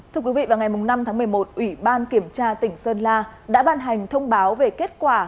thưa quý vị vào ngày năm tháng một mươi một ủy ban kiểm tra tỉnh sơn la đã ban hành thông báo về kết quả